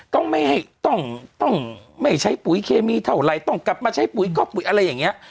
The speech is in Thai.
ต้องไม่ให้ต้องไม่ใช้ปุ๋ยเคมีเท่าไหร่ต้องกลับมาใช้ปุ๋ยก็ปุ๋ยอะไรอย่างนี้